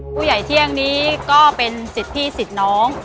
ผู้ใหญ่เที่ยงนี้ก็เป็นสิ่ดพี่สิ่ดน้อง